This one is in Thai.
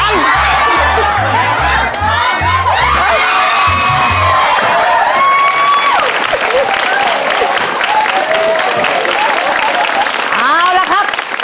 เอาละครับ